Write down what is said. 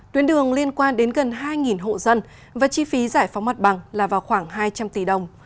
tuyến đường liên quan đến gần hai hộ dân và chi phí giải phóng mặt bằng là vào khoảng hai trăm linh tỷ đồng